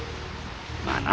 まあな。